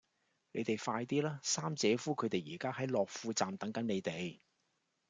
你哋快啲啦!三姐夫佢哋而家喺樂富站等緊你哋